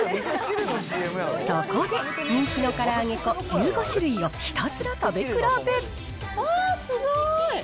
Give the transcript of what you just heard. そこで、人気の唐揚げ粉１５種類をひたすら食べ比べ。